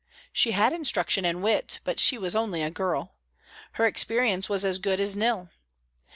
She had instruction and wit, but she was only a girl; her experience was as good as nil.